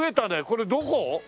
これどこ？